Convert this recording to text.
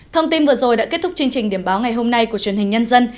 thông tin vừa rồi đã kết thúc chương trình điểm báo ngày hôm nay của truyền hình nhân dân